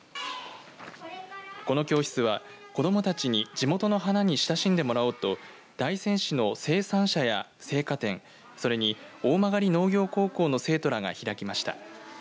この教室は、子どもたちに地元の花に親しんでもらおうと大仙市の生産者や生花店それに大曲農業高校の生徒らが開きました。